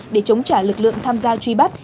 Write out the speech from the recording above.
để chống trả lực lượng tham gia truy bắt